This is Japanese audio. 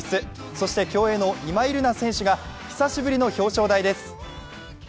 そして競泳の今井月選手が久しぶりの表彰台です。